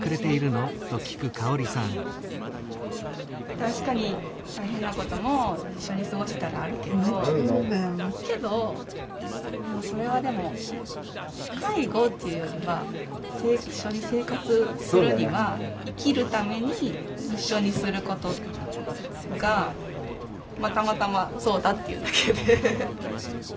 確かに大変なことも一緒に過ごしたらあるけどけどもうそれはでも介護っていうよりは一緒に生活するには生きるために一緒にすることがたまたまそうだっていうだけで。